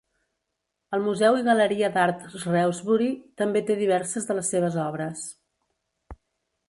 El Museu i Galeria d'Art Shrewsbury també té diverses de les seves obres.